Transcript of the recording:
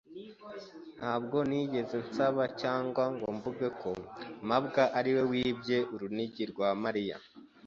Ntabwo nigeze nsaba cyangwa ngo mvuge ko mabwa ari we wibye urunigi rwa Mariya.